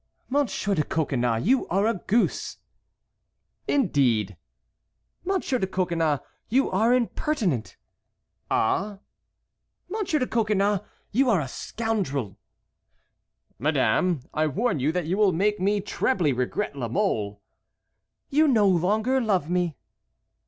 "Monsieur de Coconnas, you are a goose." "Indeed!" "Monsieur de Coconnas, you are impertinent." "Ah?" "Monsieur de Coconnas, you are a scoundrel." "Madame, I warn you that you will make me trebly regret La Mole." "You no longer love me."